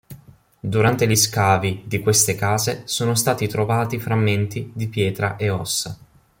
Durante gli scavi di queste case sono stati trovati frammenti di pietra e ossa.